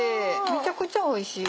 めちゃくちゃおいしい。